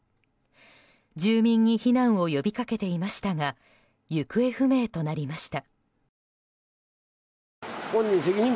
住民に避難を呼びかけていましたが行方不明となりました。